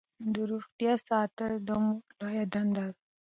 د روغتیا ساتل د مور لویه دنده ده.